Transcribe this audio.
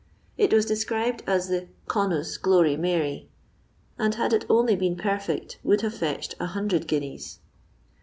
It was described as the Convt Olory Mary, and had it only been perfect would have fetched 100 guineas.